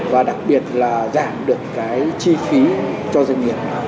và đặc biệt là giảm được cái chi phí cho doanh nghiệp